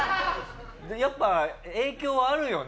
やっぱ影響はあるよね？